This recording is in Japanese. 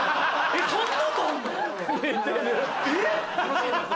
えっ？